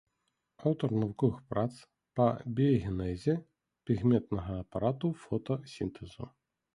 Аўтар навуковых прац па біягенезе пігментнага апарату фотасінтэзу.